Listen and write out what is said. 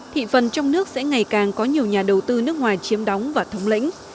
thị phần trong nước sẽ ngày càng có nhiều nhà đầu tư nước ngoài chiếm đóng và thống lĩnh